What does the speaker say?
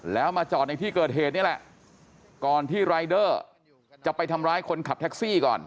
แล้วมาจอดในที่เกิดเหตุนี่แหละก่อนที่รายเดอร์จะไปทำร้ายคนขับแท็กซี่ก่อน